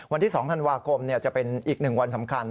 วันที่๒ธันวาคมเนี่ยจะเป็นอีกหนึ่งวันสำคัญ